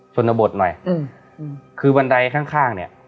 ชนบทหน่อยอืมคือบันไดข้างข้างเนี่ย